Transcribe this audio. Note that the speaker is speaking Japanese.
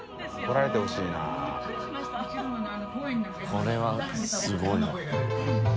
これはすごいな。））